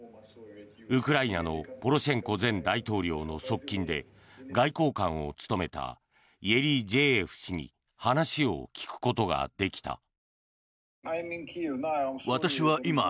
ウクライナのポロシェンコ前大統領の側近で外交官を務めたイェリジェーエフ氏に話を聞くことができた。